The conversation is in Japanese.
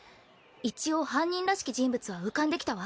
一応犯人らしき人物は浮かんできたわ。